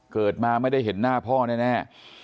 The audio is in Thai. เกิดมาไม่ได้เห็นหน้าพ่อแน่